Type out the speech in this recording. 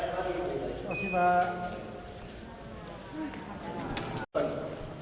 terima kasih pak